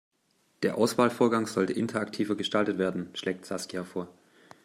Der Auswahlvorgang sollte interaktiver gestaltet werden, schlägt Saskia vor.